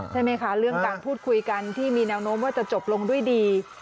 ใช่ไหมคะเรื่องการพูดคุยกันที่มีแนวโน้มว่าจะจบลงด้วยดี